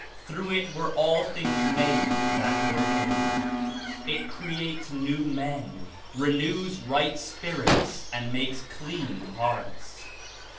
Through it were all things made that were made. It creates new men, renews right spirits and makes clean hearts.